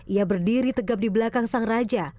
ia berdiri tegap di belakang sang raja